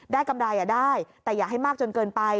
กำไรได้แต่อย่าให้มากจนเกินไป